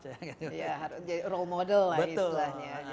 ya harus jadi role model lah istilahnya